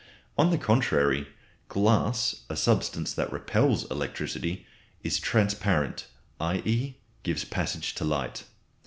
On the contrary, glass, a substance that repels electricity, is transparent, i.e. gives passage to light.